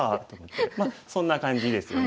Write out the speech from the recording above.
まあそんな感じですよね。